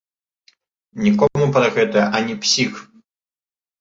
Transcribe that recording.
Нікому пра гэта ані псік!